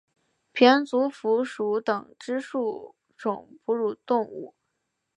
胼足蝠属等之数种哺乳动物。